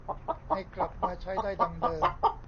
ให้กลับมาใช้ได้ดังเดิม